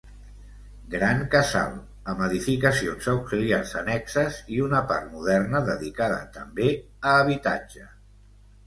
Gran casal, amb edificacions auxiliars annexes i una part moderna dedicada també a habitatge.